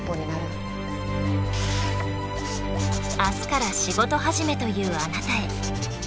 あすから仕事始めというあなたへ。